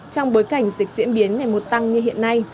trong bối cảnh dịch diễn biến ngày một tăng như hiện nay